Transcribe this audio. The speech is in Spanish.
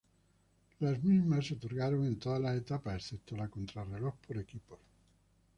Las mismas se otorgaron en todas las etapas excepto la contrarreloj por equipos.